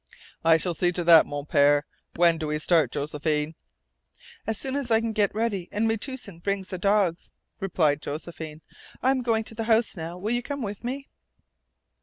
"I shall see to that, Mon Pere. When do we start, Josephine?" "As soon as I can get ready and Metoosin brings the dogs," replied Josephine. "I am going to the house now. Will you come with me?"